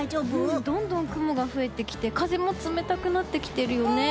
どんどん雲が増えてきて風も冷たくなってきているよね。